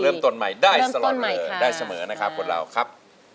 วันต้นใหม่ได้สลอนเลยได้เสมอนะคะพวกเรา